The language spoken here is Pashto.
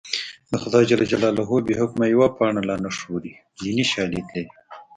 د خدای بې حکمه یوه پاڼه لا نه خوري دیني شالید لري